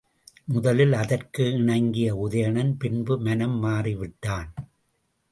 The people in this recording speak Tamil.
முதலில் அதற்கு இணங்கிய உதயணன் பின்பு மனம் மாறிவிட்டான்.